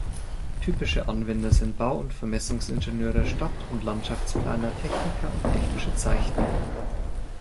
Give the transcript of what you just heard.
Typische Anwender sind Bau- und Vermessungsingenieure, Stadt- und Landschaftsplaner, Techniker und technische Zeichner.